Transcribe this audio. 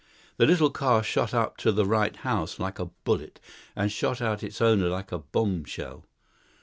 The little car shot up to the right house like a bullet, and shot out its owner like a bomb shell.